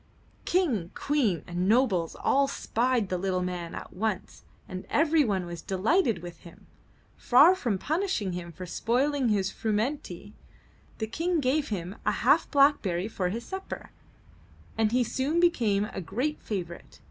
King, Queen and nobles all spied the little man at once and everyone was delighted with him. Far from punishing him for spoiling his frumenty, the King gave him a half blackberry for his supper, and he soon became a great favorite.